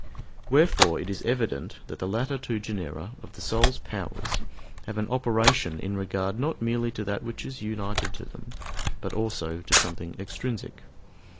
Wherefore it is evident that the latter two genera of the soul's powers have an operation in regard not merely to that which is united to them, but also to something extrinsic.